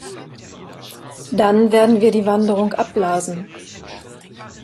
Dann werden wir die Wanderung abblasen.